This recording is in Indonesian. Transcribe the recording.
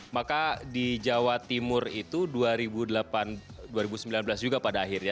maka di jawa timur itu dua ribu sembilan belas juga pada akhirnya